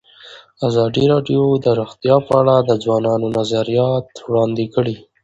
ازادي راډیو د روغتیا په اړه د ځوانانو نظریات وړاندې کړي.